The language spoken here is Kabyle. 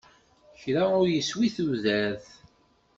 Kra ur yeswi tudert.